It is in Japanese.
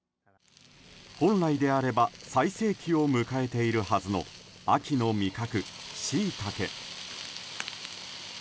本来であれば最盛期を迎えているはずの秋の味覚、シイタケ。